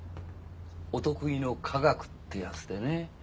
お得意の科学ってやつでね。